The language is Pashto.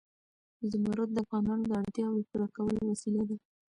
زمرد د افغانانو د اړتیاوو د پوره کولو وسیله ده.